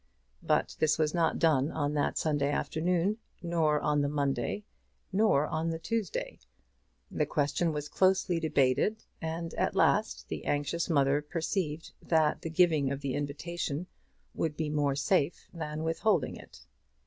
But this was not done on that Sunday afternoon, nor on the Monday, nor on the Tuesday. The question was closely debated, and at last the anxious mother perceived that the giving of the invitation would be more safe than withholding it.